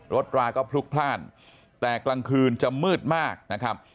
ราก็พลุกพลาดแต่กลางคืนจะมืดมากนะครับ